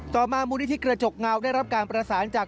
มามูลนิธิกระจกเงาได้รับการประสานจาก